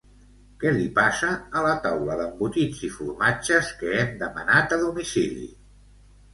Què li passa a la taula d'embotits i formatges que hem demanat a domicili?